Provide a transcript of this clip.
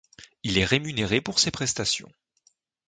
Il est rémunéré pour ses prestations.